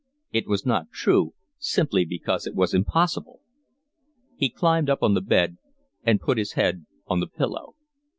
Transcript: It was not true simply because it was impossible. He climbed up on the bed and put his head on the pillow.